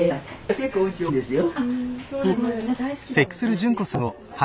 結構うち多いんですよ。